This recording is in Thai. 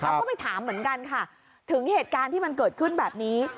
เราก็ไปถามเหมือนกันค่ะถึงเหตุการณ์ที่มันเกิดขึ้นแบบนี้